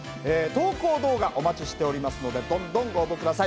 投稿動画お待ちしておりますのでどんどんご応募下さい。